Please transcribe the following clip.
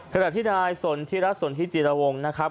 ขณะที่นายสนทิรัฐสนทิจิรวงนะครับ